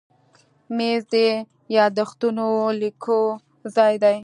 مېز د یاداښتونو لیکلو ځای دی.